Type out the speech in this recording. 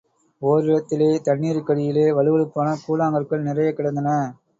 ஓரிடத்திலே தண்ணீருக்கடியிலே வழுவழுப்பான கூழாங்கற்கள் நிறையக் கிடந்தன.